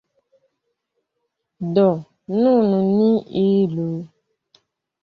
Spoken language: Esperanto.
Do, nun ni iru